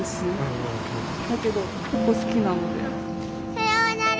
さようなら。